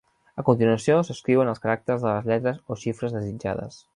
A continuació, s'escriuen els caràcters de les lletres o xifres desitjades.